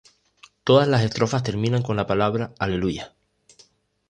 Todas las estrofas terminan con la palabra "Aleluya".